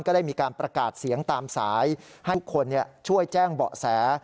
ได้มีการประกาศเสียงตามสายให้คนช่วยแจ้งเบาะแส